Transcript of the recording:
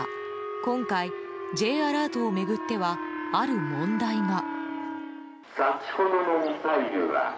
今回、Ｊアラートを巡ってはある問題が。